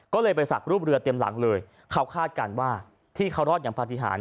ก็เลยไปสักรูปเรือเต็มหลังเลยเขาคาดการณ์ว่าที่เขารอดอย่างปฏิหาร